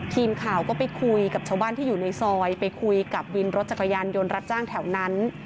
ทีมข่าวก็ไปคุยกับชาวบ้านที่อยู่ในซอยไปคุยกับวินรถจักรยานยนต์รับจ้างแถวนั้น